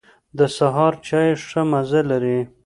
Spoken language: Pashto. د سهار چای ښه مزه لري.